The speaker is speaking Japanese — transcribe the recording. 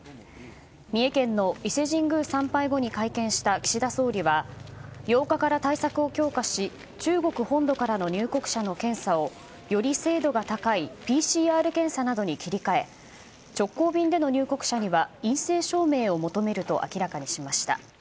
三重県の伊勢神宮参拝後に会見した岸田総理は８日から対策を強化し中国本土からの入国者の検査をより精度が高いＰＣＲ検査などに切り替え直行便での入国者には陰性証明を求めると明らかにしました。